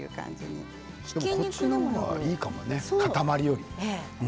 そっちの方がいいかもね塊より。